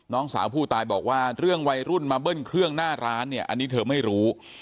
น้องสาวผู้ตายบอกว่าเรื่องวัยรุ่นมาเบิ้ลเครื่องหน้าร้านเนี่ยอันนี้เธอไม่รู้